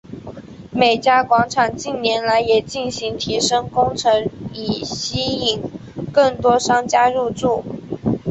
美嘉广场近年来也进行提升工程以吸引更多商家入住。